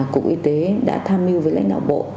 cục y tế đã tham mưu với lãnh đạo bộ